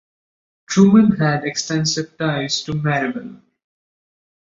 Truman had extensive ties to Maryville.